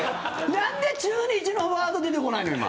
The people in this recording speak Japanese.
なんで、中日のワード出てこないの、今。